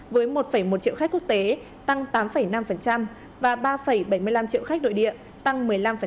với một một triệu khách quốc tế tăng tám năm và ba bảy mươi năm triệu khách nội địa tăng một mươi năm